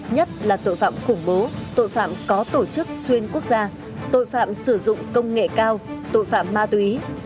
nhất là tội phạm khủng bố tội phạm có tổ chức xuyên quốc gia tội phạm sử dụng công nghệ cao tội phạm ma túy